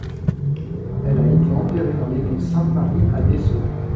Elle a été enterrée dans l'Église sainte-Marie, à Dessau.